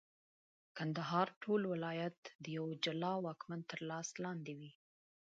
کندهار ټول ولایت د یوه جلا واکمن تر لاس لاندي وي.